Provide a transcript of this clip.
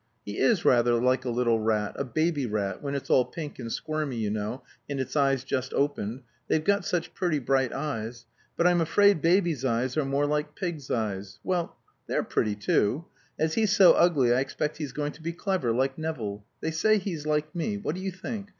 He is rather like a little rat a baby rat, when it's all pink and squirmy, you know, and its eyes just opened they've got such pretty bright eyes. But I'm afraid baby's eyes are more like pig's eyes. Well, they're pretty too. As he's so ugly I expect he's going to be clever, like Nevill. They say he's like me. What do you think?